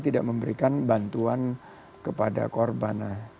tidak memberikan bantuan kepada korban